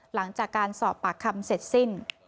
หลังจากการสอบปากคำเสร็จสิ้น